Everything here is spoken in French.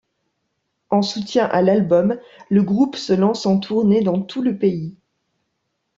En soutien à l'album, le groupe se lance en tournée dans tout le pays.